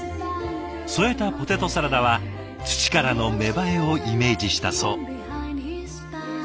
添えたポテトサラダは土からの芽生えをイメージしたそう。